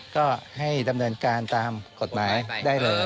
ก็ให้ดำเนินการตามกฎหมายได้เลย